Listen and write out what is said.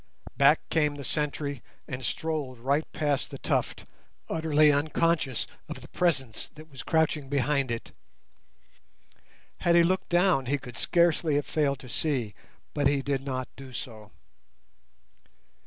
Back came the sentry and strolled right past the tuft, utterly unconscious of the presence that was crouching behind it. Had he looked down he could scarcely have failed to see, but he did not do so.